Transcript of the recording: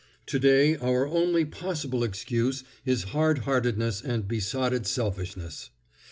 Today our only possible excuse is hard heartedness and besotted selfishness.